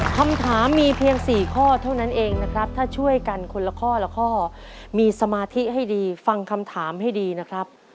คำถามมีเพียง๔ข้อเท่านั้นเองนะครับถ้าช่วยกันคนละข้อละข้อมีสมาธิให้ดีฟังคำถามให้ดีนะครับ